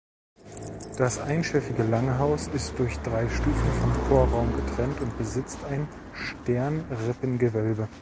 Das einschiffige Langhaus ist durch drei Stufen vom Chorraum getrennt und besitzt ein Sternrippengewölbe.